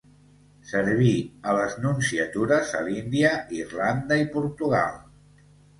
Serví a les nunciatures a l'Índia, Irlanda i Portugal.